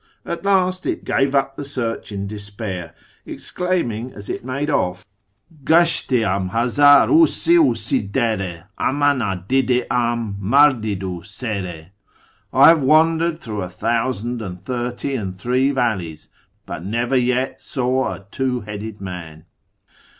\\. last it gave up the search in despair, exclaiming as it made oil': ■o " Gashte avi Jia::ar fc si {i si dcrc, Ammd na didA am mard i du ser^." "I have wandered through a thousand and lliiity and tluve valleys, But never yet saw a two headed man